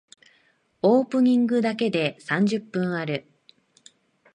オープニングだけで三十分ある。